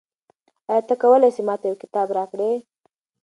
آیا ته کولای سې ما ته یو کتاب راکړې؟